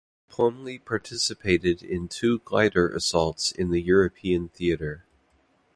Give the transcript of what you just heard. Plumley participated in two glider assaults in the European Theater.